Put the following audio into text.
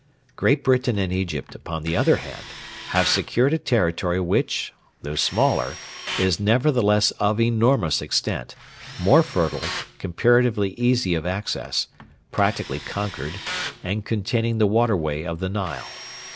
Great Britain and Egypt, upon the other hand, have secured a territory which, though smaller, is nevertheless of enormous extent, more fertile, comparatively easy of access, practically conquered, and containing the waterway of the Nile.